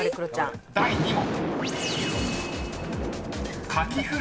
［第２問］